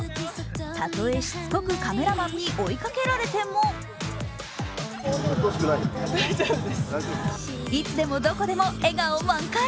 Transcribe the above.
例えしつこくカメラマンに追いかけられてもいつでもどこでも笑顔満開。